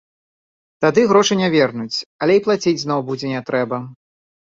Тады грошы не вернуць, але і плаціць зноў будзе не трэба.